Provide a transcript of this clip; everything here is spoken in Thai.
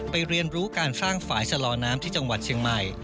เรียนรู้การสร้างฝ่ายชะลอน้ำที่จังหวัดเชียงใหม่